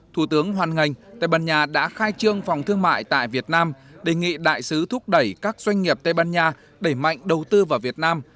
thủ tướng hoàn ngành tây ban nha đã khai trương phòng thương mại tại việt nam đề nghị đại sứ thúc đẩy các doanh nghiệp tây ban nha đẩy mạnh đầu tư vào việt nam